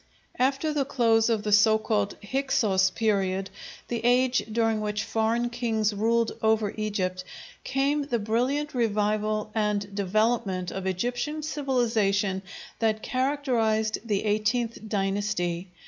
After the close of the so called Hyksos period, the age during which foreign kings ruled over Egypt, came the brilliant revival and development of Egyptian civilization that characterized the XVIII dynasty.